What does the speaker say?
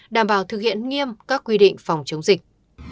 đảm bảo thực hiện nghiêm các quy định phòng chống dịch